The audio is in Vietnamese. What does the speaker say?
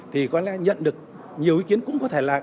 thì có lẽ nhận được nhiều ý kiến cũng có thể là